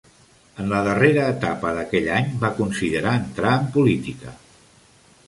En la darrera etapa d'aquell any, va considerar entrar en política.